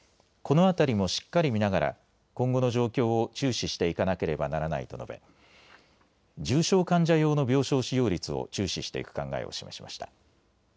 このあたりもしっかり見ながら今後の状況を注視していかなければならないと述べ重症患者用の病床使用率を注視していく考えを示しました。